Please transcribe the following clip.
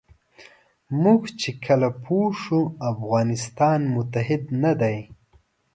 موږ چې کله پوه شو افغانستان متحد نه دی.